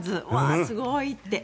すごい！って。